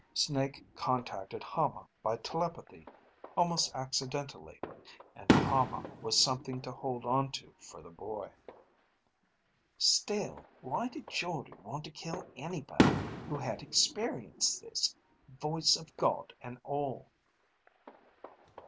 Snake contacted Hama by telepathy, almost accidentally. And Hama was something to hold onto for the boy." "Still, why did Jordde want to kill anybody who had experienced this, voice of God and all?"